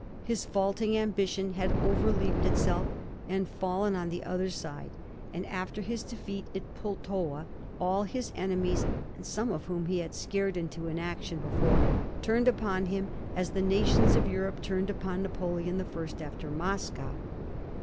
His vaulting ambition had overleaped itself, and fallen on the other side ; and after his defeat at Pultowa, all his enemies, some of whom he had scared into inaction before, turned upon him as the nations of Europe turned upon Napoleon the First after Moscow.